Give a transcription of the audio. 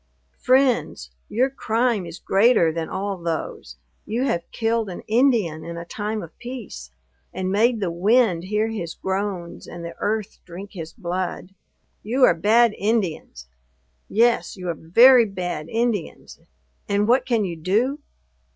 "Friends! your crime is greater than all those: you have killed an Indian in a time of peace; and made the wind hear his groans, and the earth drink his blood. You are bad Indians! Yes, you are very bad Indians; and what can you do?